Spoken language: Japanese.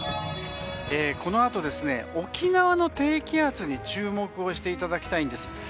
このあと、沖縄の低気圧に注目をしていただきたいんです。